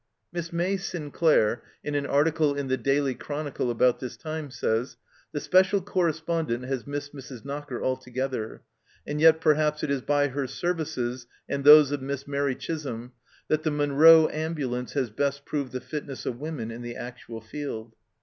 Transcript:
Miss May Sinclair, in an article in the Daily Chronicle about this time, says :" The special correspondent has missed Mrs. Knocker altogether, and yet perhaps it is by her services and those of Miss Mairi Chisholm that the Munro Ambulance has best proved the fitness of women in the actual field."